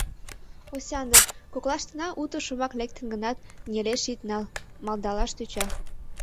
— Осяндр, коклаштына уто шомак лектын гынат, нелеш ит нал, — малдалаш тӧча.